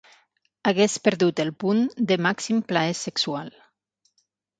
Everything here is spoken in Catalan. Hagués perdut el punt de màxim plaer sexual.